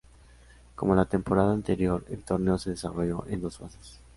Como la temporada anterior, el torneo se desarrolló en dos fases.